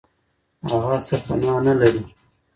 هغه سرپنا نه لري.